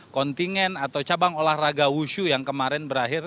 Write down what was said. kontingen atau cabang olahraga wushu yang kemarin berakhir